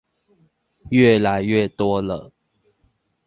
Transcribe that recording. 越來越多了